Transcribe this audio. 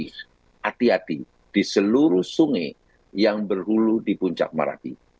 hati hati di seluruh sungai yang berhulu di puncak marapi